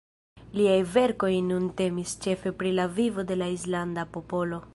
Liaj verkoj nun temis ĉefe pri la vivo de la islanda popolo.